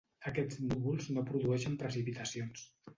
Aquests núvols no produeixen precipitacions.